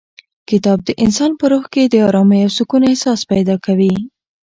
کتاب د انسان په روح کې د ارامۍ او سکون احساس پیدا کوي.